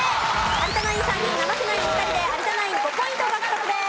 有田ナイン３人生瀬ナイン２人で有田ナイン５ポイント獲得です。